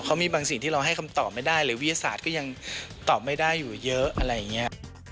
เขามีบางสิ่งที่เราให้คำตอบไม่ได้หรือวิทยาศาสตร์ก็ยังตอบไม่ได้อยู่เยอะอะไรอย่างนี้